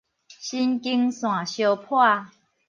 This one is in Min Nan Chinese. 神經線相袚